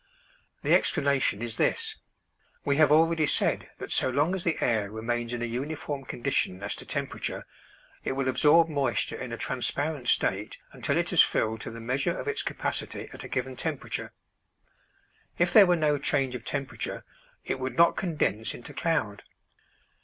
The explanation is this: We have already said that so long as the air remains in a uniform condition as to temperature it will absorb moisture in a transparent state until it is filled to the measure of its capacity at a given temperature. If there were no change of temperature, it would not condense into cloud.